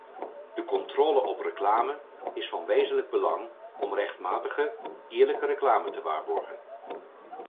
De controle op reclame is van wezenlijk belang om rechtmatige, eerlijke reclame te waarborgen.